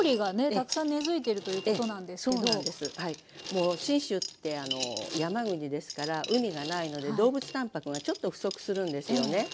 もう信州って山国ですから海がないので動物たんぱくがちょっと不足するんですよね。